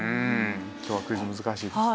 今日はクイズ難しいですね。